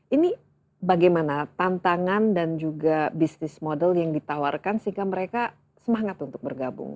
ini bagaimana tantangan dan juga bisnis model yang ditawarkan sehingga mereka semangat untuk bergabung